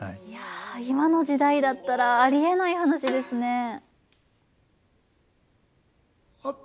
いや今の時代だったらありえない話ですね。